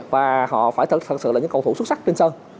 và họ phải thật sự là những cầu thủ xuất sắc trên sân